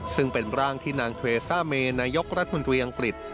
ซึ่งเป็นร่างที่นางเทรซ่าเมนายกรัฐมนตรีอังกฤษ